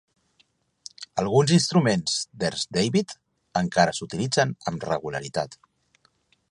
Alguns instruments d'Ernst David encara s'utilitzen amb regularitat.